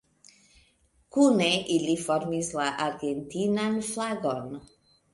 Kune ili formis la argentinan flagon.